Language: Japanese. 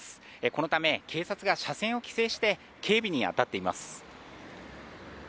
このため警察が車線を規制して警備にあたっています。